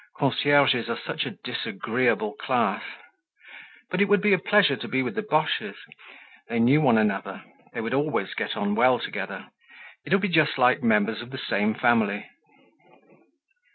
Concierges are such a disagreeable class! But it would be a pleasure to be with the Boches. They knew one another—they would always get on well together. It would be just like members of the same family.